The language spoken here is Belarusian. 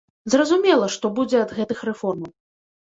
Зразумела, што будзе ад гэтых рэформаў.